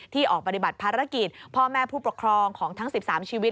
ออกปฏิบัติภารกิจพ่อแม่ผู้ปกครองของทั้ง๑๓ชีวิต